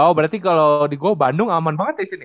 wow berarti kalau di gua bandung aman banget ya di sini